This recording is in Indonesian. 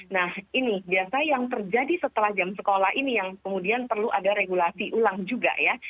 nah ini biasa yang terjadi setelah jam sekolah ini yang kemudian perlu ada regulasi ulang juga ya